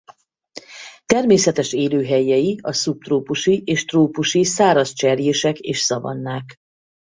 Természetes élőhelyei a szubtrópusi és trópusi száraz cserjések és szavannák.